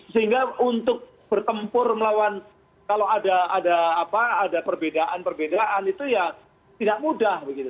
sehingga untuk bertempur melawan kalau ada perbedaan perbedaan itu ya tidak mudah begitu